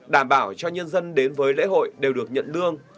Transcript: đảm bảo cho nhân dân đến với lễ hội đều được nhận lương